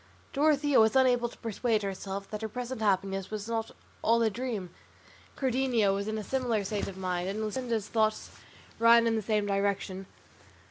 Dorothea was unable to persuade herself that her present happiness was not all a dream; Cardenio was in a similar state of mind, and Luscinda's thoughts ran in the same direction.